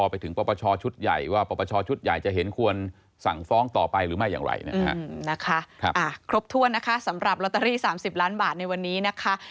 ไปถึงปรปชชุดใหญ่ว่าปรปชชุดใหญ่จะเห็นควรสั่งฟ้องต่อไปหรือไม่อย่างไรนะฮะอืมนะคะ